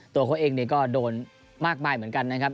ตัวเขาเองก็โดนมากมายเหมือนกันนะครับ